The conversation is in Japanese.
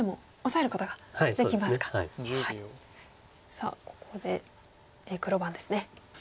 さあここで黒番ですね。